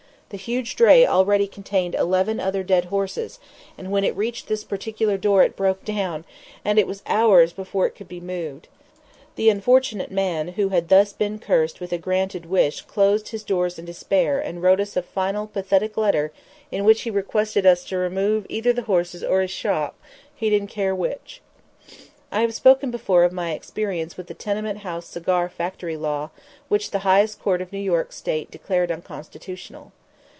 The huge dray already contained eleven other dead horses, and when it reached this particular door it broke down, and it was hours before it could be moved. The unfortunate man who had thus been cursed with a granted wish closed his doors in despair and wrote us a final pathetic letter in which he requested us to remove either the horses or his shop, he didn't care which. I have spoken before of my experience with the tenement house cigar factory law which the highest court of New York State declared unconstitutional.